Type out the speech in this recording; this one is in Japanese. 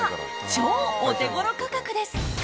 超お手頃価格です。